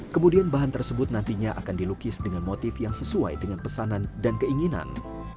kemudian bahan tersebut nantinya akan dilukis dengan motif yang sesuai dengan pesanan dan keinginan